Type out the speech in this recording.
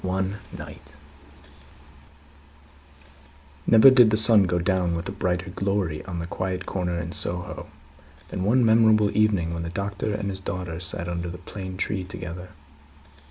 One Night Never did the sun go down with a brighter glory on the quiet corner in Soho, than one memorable evening when the Doctor and his daughter sat under the plane tree together.